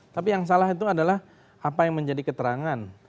tapi yang salah itu adalah apa yang menjadi keterangan